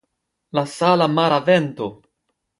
La sala mara vento!